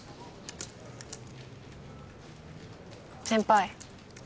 先輩。